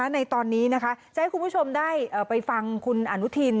ในตอนนี้นะคะจะให้คุณผู้ชมได้ไปฟังคุณอนุทิน